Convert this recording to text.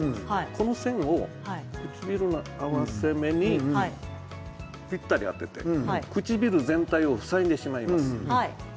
それを唇の合わせ目にぴったり当てて唇全体を塞いでしまいます。